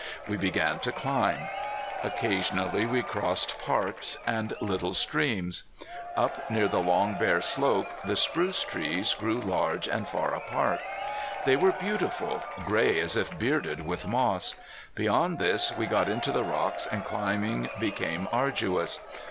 We began to climb. Occasionally we crossed parks, and little streams. Up near the long, bare slope the spruce trees grew large and far apart. They were beautiful, gray as if bearded with moss. Beyond this we got into the rocks and climbing became arduous.